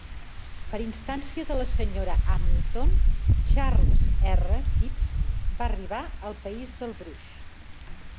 Per instància de la senyora Hamilton, Charles R. Tips va arribar al país del Brush.